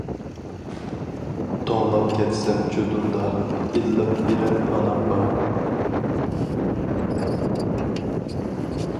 توڭلاپ كەتسەم جۇدۇندا، ئىللىق بېرەر ئانام بار.